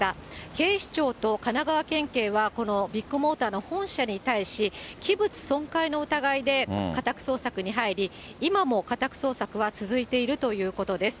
警視庁と神奈川県警はこのビッグモーターの本社に対し、器物損壊の疑いで家宅捜索に入り、今も家宅捜索は続いているということです。